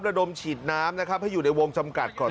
ระดมฉีดน้ำนะครับให้อยู่ในวงจำกัดก่อน